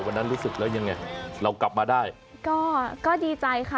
รู้สึกแล้วยังไงเรากลับมาได้ก็ก็ดีใจค่ะ